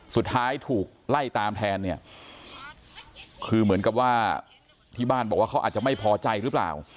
สุดท้ายถูกไล่ตามแทนเนี่ยคือเหมือนกับว่าที่บ้านบอกว่าเขาอาจจะไม่พอใจหรือเปล่า